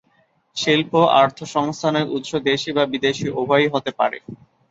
শিল্প অর্থসংস্থানের উৎস দেশি বা বিদেশি উভয়ই হতে পারে।